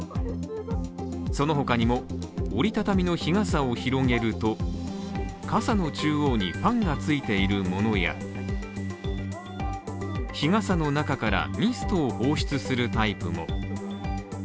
その他にも折りたたみの日傘を広げると傘の中央にファンがついているものや日傘の中からミストを放出するタイプも。